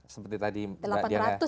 seperti tadi mbak diana